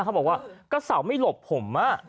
เขาบอกว่าก็เสาไม่หลบผม